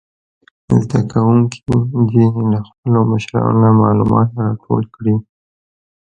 زده کوونکي دې له خپلو مشرانو نه معلومات راټول کړي.